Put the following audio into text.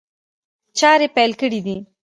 چاري پيل کړي دي.